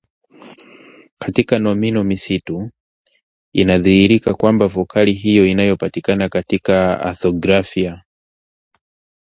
katika nomino misitu, inadhihirika kwamba vokali hiyo inayopatikana katika othografia